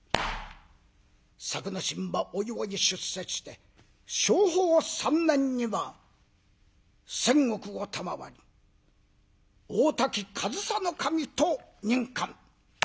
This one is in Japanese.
作之進はおいおい出世して正保３年には１，０００石を賜り大多喜上総守と任官。